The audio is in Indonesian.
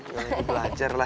lagi belajar lah